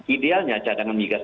idealnya cadangan migas